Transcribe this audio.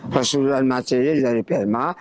keseluruhan materi dari firma